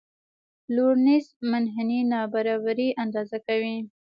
لورینز منحني نابرابري اندازه کوي.